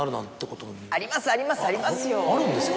あるんですか？